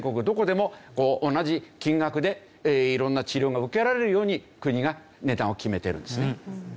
どこでも同じ金額で色んな治療が受けられるように国が値段を決めてるんですね。